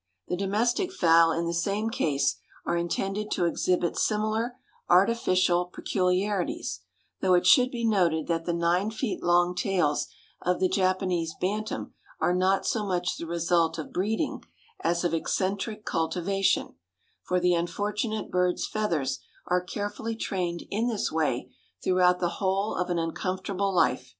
The domestic fowl in the same case are intended to exhibit similar artificial peculiarities, though it should be noted that the nine feet long tails of the Japanese bantam are not so much the result of breeding as of eccentric cultivation, for the unfortunate bird's feathers are carefully trained in this way throughout the whole of an uncomfortable life.